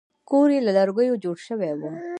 کور یې له لرګیو جوړ شوی و.